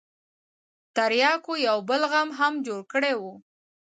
ترياکو يو بل غم هم جوړ کړى و.